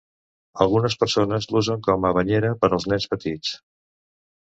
Algunes persones l'usen com a banyera per als nens petits.